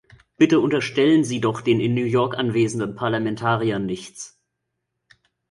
Bitte unterstellen Sie doch den in New York anwesenden Parlamentariern nichts.